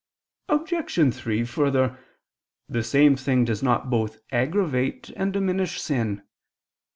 Obj. 3: Further, the same thing does not both aggravate and diminish sin.